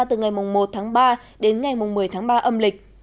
từ ngày một ba đến ngày một mươi ba âm lịch